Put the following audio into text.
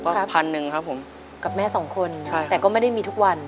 ก็พันหนึ่งครับผมกับแม่สองคนใช่แต่ก็ไม่ได้มีทุกวัน